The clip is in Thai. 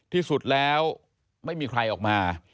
ที่สุดแล้วไม่มีใครออกมา